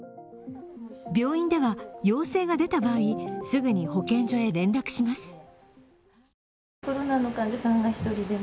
病院では陽性が出た場合、すぐに保健所へ連絡します。